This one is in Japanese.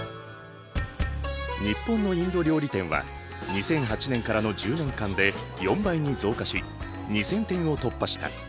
日本のインド料理店は２００８年からの１０年間で４倍に増加し２，０００店を突破した。